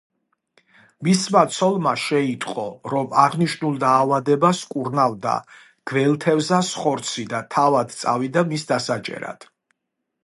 მისმა ცოლმა შეიტყო, რომ აღნიშნულ დაავადებას კურნავდა გველთევზას ხორცი და თავად წავიდა მის დასაჭერად.